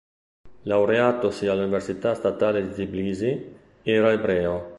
Laureatosi all'Università statale di Tbilisi, era ebreo.